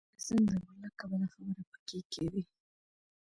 قسم دى ولله که بله خبره پکښې کښې وي.